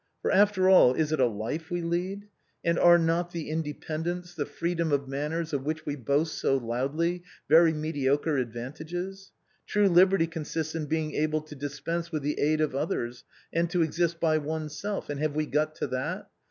For, after all, is it a life we lead ? and are not the independence, the freedom of manners, of which we boast so loudly, very mediocre advantages? True liberty consists in being able to dispense with the aid of others, and to exist by oneself, and have we got to that?